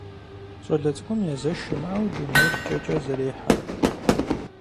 ЩӀалэ цӀыкӀум езэш имыӀэу дунейр кӀэкӀэ зэрехьэ.